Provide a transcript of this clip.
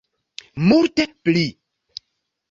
Multe pli.